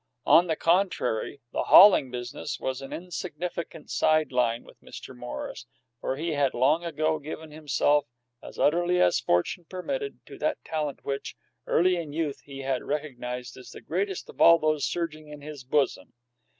On the contrary, the hauling business was an insignificant side line with Mr. Morris, for he had long ago given himself, as utterly as fortune permitted, to that talent which, early in youth, he had recognized as the greatest of all those surging in his bosom.